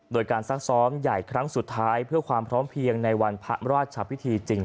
โดยการซักซ้อมใหญ่ครั้งสุดท้ายเพื่อความพร้อมเพียงในวันพระราชพิธีจริง